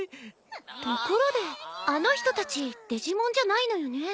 ところであの人たちデジモンじゃないのよね。